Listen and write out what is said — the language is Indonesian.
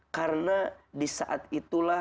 karena di saat itulah